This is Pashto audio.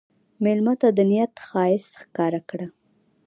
مېلمه ته د نیت ښایست ښکاره کړه.